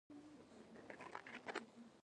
مينه سمدلاسه بې سده پرېوته او چيغه یې کړه